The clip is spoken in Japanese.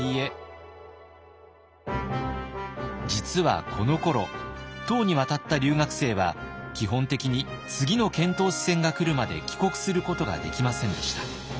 実はこのころ唐に渡った留学生は基本的に次の遣唐使船が来るまで帰国することができませんでした。